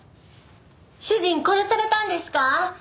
主人殺されたんですか？